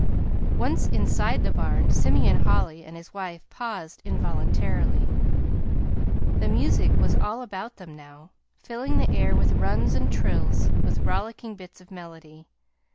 Once inside the barn Simeon Holly and his wife paused involuntarily. The music was all about them now, filling the air with runs and trills and rollicking bits of melody.